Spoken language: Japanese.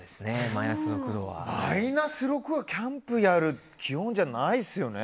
マイナス６度はキャンプやる気温じゃないですよね。